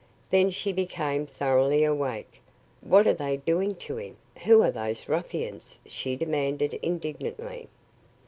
Then she became thoroughly awake. "What are they doing to him? Who are those ruffians?" she demanded indignantly.